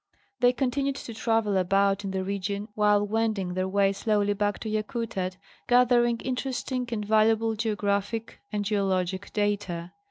They continued to travel about in the region, while wending their way slowly back to Yakutat, gathering inter esting and valuable geographic and geologic data.